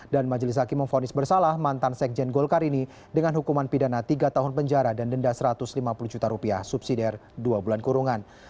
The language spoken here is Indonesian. dan majelis hakim memfonis bersalah mantan sekjen golkar ini dengan hukuman pidana tiga tahun penjara dan denda rp satu ratus lima puluh juta subsidi dari dua bulan kurungan